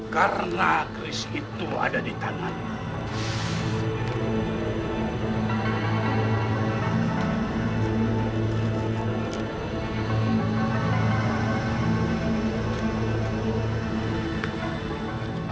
karena kris itu ada di tanganmu